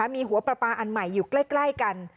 มีหัวปลาปลาอันใหม่อยู่ใกล้กัน